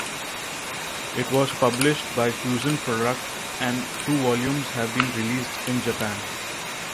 It was published by Fusion Product and two volumes have been released in Japan.